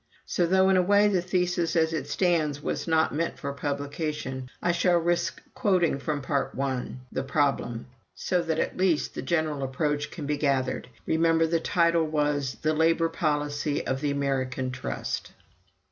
So though in a way the thesis as it stands was not meant for publication, I shall risk quoting from Part One, "The Problem," so that at least his general approach can be gathered. Remember, the title was "The Labor Policy of the American Trust."